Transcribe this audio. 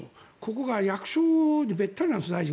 ここが役所にべったりなんです。